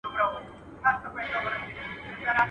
چي کوچنى و نه ژاړي، مور شيدې نه ورکوي.